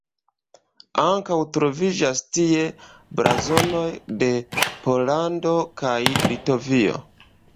Ankaŭ troviĝas tie blazonoj de Pollando kaj Litovio.